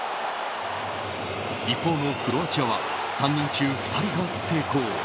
一方のクロアチアは３人中２人が成功。